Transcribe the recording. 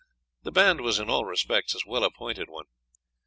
The band was in all respects a well appointed one.